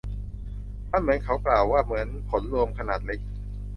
มันเหมือนเขากล่าวว่า เหมือนผลรวมขนาดเล็ก